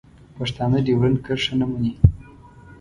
پښتانه ډیورنډ کرښه نه مني.